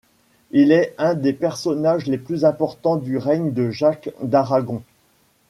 Il est un des personnages les plus importants du règne de Jacques d'Aragon.